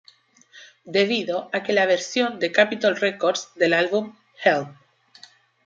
Debido a que la versión de Capitol Records del álbum "Help!